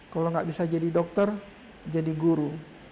kalau nggak bisa jadi dokter jadi guru